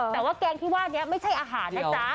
แต่ว่าแกงที่ว่านี้ไม่ใช่อาหารนะจ๊ะ